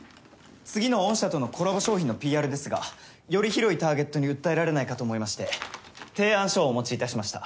次の御社とのコラボ商品のＰＲですがより広いターゲットに訴えられないかと思いまして提案書をお持ちいたしました。